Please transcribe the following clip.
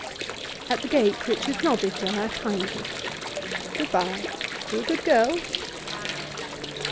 At the gate Richard nodded to her kindly. 'Good bye. Be a good girl.